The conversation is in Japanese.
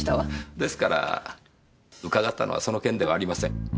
ですからうかがったのはその件ではありません。